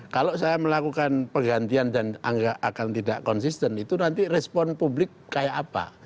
kalau saya melakukan penggantian dan akan tidak konsisten itu nanti respon publik kayak apa